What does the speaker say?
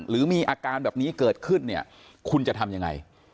หรือมีอาการแบบนี้เกิดขึ้นคุณจะทำอย่างไร